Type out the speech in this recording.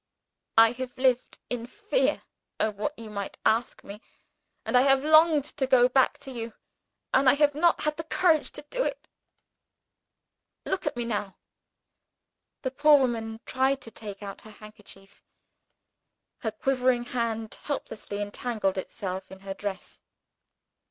I have lived in fear of what you might ask me and have longed to go back to you and have not had the courage to do it. Look at me now!" The poor woman tried to take out her handkerchief; her quivering hand helplessly entangled itself in her dress.